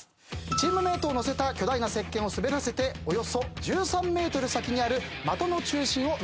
チームメートを乗せた巨大なせっけんを滑らせておよそ１３ｍ先にある的の中心を目指すゲームです。